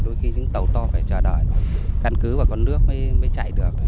đôi khi những tàu to phải chờ đợi căn cứ và con nước mới chạy được